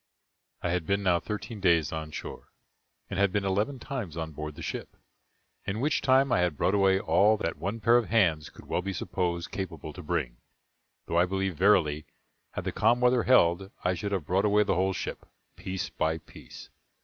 I had been now thirteen days on shore, and had been eleven times on board the ship, in which time I had brought away all that one pair of hands could well be supposed capable to bring; though I believe verily, had the calm weather held, I should have brought away the whole ship, piece by piece.